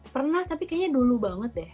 pernah tapi kayaknya dulu banget deh